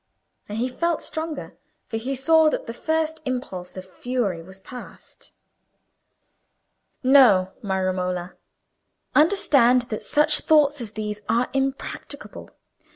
And he felt stronger, for he saw that the first impulse of fury was past. "No, my Romola. Understand that such thoughts as these are impracticable.